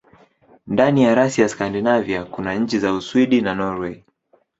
Ndani ya rasi ya Skandinavia kuna nchi za Uswidi na Norwei.